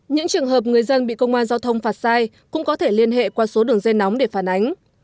những trường hợp người dân bị công an giao thông phạt sai cũng có thể liên hệ qua số đường dây nóng để phản ánh